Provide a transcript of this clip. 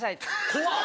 怖っ！